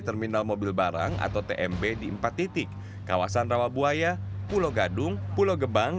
terminal mobil barang atau tmb di empat titik kawasan rawabuaya pulau gadung pulau gebang